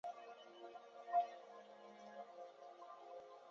白家大地遗址的历史年代为卡约文化。